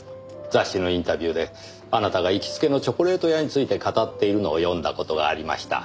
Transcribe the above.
雑誌のインタビューであなたが行きつけのチョコレート屋について語っているのを読んだ事がありました。